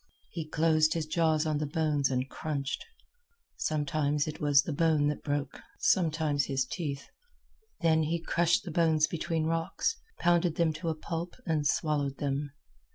He closed his jaws on the bones and crunched. Sometimes it was the bone that broke, sometimes his teeth. Then he crushed the bones between rocks, pounded them to a pulp, and swallowed them.